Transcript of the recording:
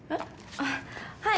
あっはい。